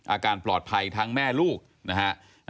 อาการปลอดภัยทั้งแม่ลูกนะฮะ